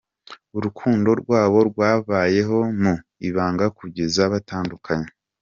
Urukundo rwabo rwabayeho mu ibanga kugeza batandukanye.